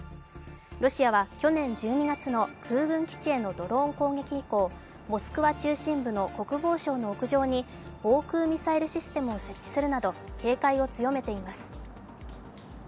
ロシアは去年１２月の空軍基地へのドローン攻撃以降、モスクワ中心部の国防省の屋上に防空ミサイルシステムを設置するなど警戒を強めています。